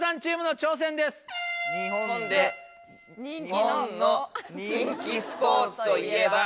日本の人気スポーツといえば？